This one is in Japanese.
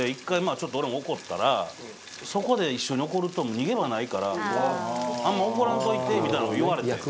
あちょっと俺も怒ったら「そこで一緒に怒るともう逃げ場ないからあんま怒らんといて」みたいな事言われてん。